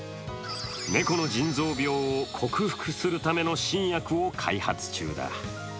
猫の腎臓病を克服するための新薬を開発中だ。